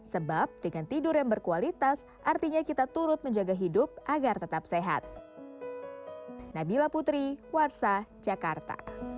sebab dengan tidur yang berkualitas artinya kita turut menjaga hidup agar tetap sehat